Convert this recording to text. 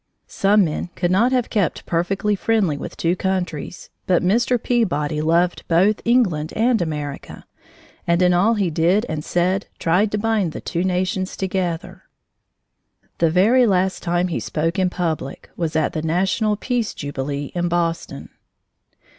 Some men could not have kept perfectly friendly with two countries, but Mr. Peabody loved both England and America and in all he did and said tried to bind the two nations together. The very last time he spoke in public was at the National Peace Jubilee in Boston.